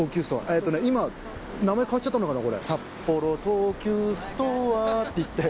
えっとね今名前変わっちゃったのかな。